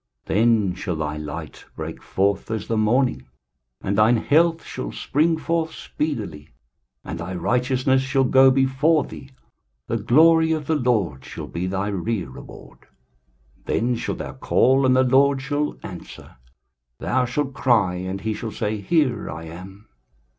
23:058:008 Then shall thy light break forth as the morning, and thine health shall spring forth speedily: and thy righteousness shall go before thee; the glory of the LORD shall be thy rereward. 23:058:009 Then shalt thou call, and the LORD shall answer; thou shalt cry, and he shall say, Here I am.